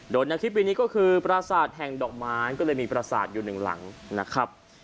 โดยในคลิปปีนี้ก็คือปราศาสตร์แห่งดอกไม้ก็เลยมีประสาทอยู่หนึ่งหลังนะครับ